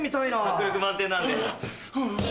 迫力満点なんで。